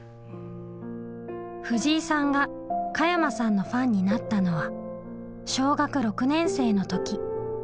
藤井さんが加山さんのファンになったのは小学６年生のとき。